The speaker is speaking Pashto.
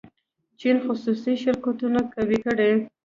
چین خصوصي شرکتونه قوي کړي.